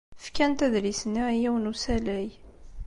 Fkant adlis-nni i yiwen n usalay.